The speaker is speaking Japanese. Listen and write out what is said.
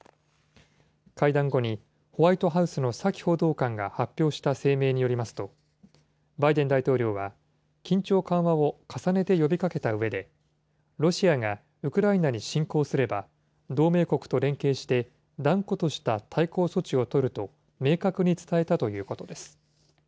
会談後に、ホワイトハウスのサキ報道官が発表した声明によりますと、バイデン大統領は、緊張緩和を重ねて呼びかけたうえで、ロシアがウクライナに侵攻すれば、同盟国と連携して、断固とした対抗措置を取ると明確に伝えたということです。